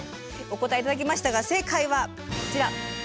お答え頂きましたが正解はこちら。